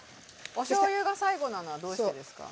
おしょうゆが最後なのはどうしてですか？